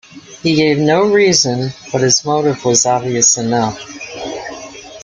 He gave no reason, but his motive was obvious enough.